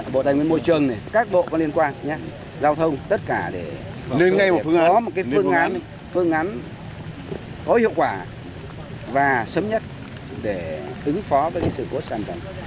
bộ tài nguyên môi trường các bộ có liên quan giao thông tất cả để tính phó một phương án có hiệu quả và sớm nhất để tính phó với sự cố sản phẩm